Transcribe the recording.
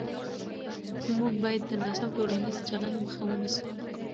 موږ باید د ناسم ټولنیز چلند مخه ونیسو.